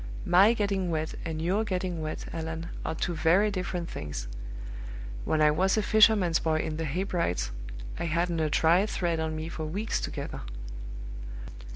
My getting wet, and your getting wet, Allan, are two very different things. When I was a fisherman's boy in the Hebrides, I hadn't a dry thread on me for weeks together."